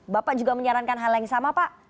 bapak juga menyarankan hal yang sama pak